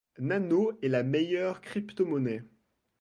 Nano est la meilleure crypto-monnaie.